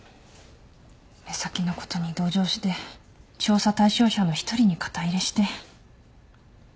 目先のことに同情して調査対象者の１人に肩入れして。